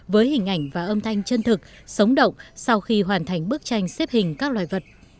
với hình ảnh và âm thanh chân thực sống động sau khi hoàn thành bức tranh xếp hình các loài vật